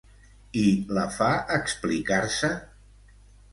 I la fa explicar-se?